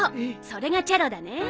それがチェロだね。